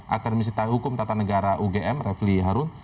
akademisi hukum tata negara ugm refli harun